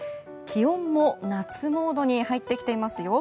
気温も夏モードに入ってきていますよ。